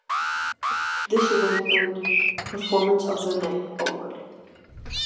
This win earned "Performance of the Night" award.